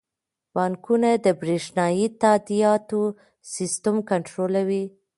بانکونه د بریښنايي تادیاتو سیستم کنټرولوي.